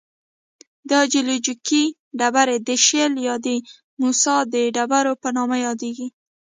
دا جیولوجیکي ډبرې د شیل یا د موسی د ډبرو په نامه یادیږي.